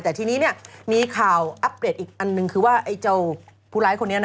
แต่ทีนี้มีข่าวอัพเดทอีกอันหนึ่งคือว่าไอของผู้หลายคน